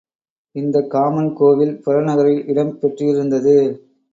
இந்தக் காமன் கோவில் புறநகரில் இடம் பெற்றிருந்தது.